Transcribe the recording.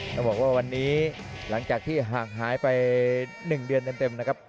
ต้องบอกว่าวันนี้หลังจากที่ห่างหายไป๑เดือนเต็มนะครับ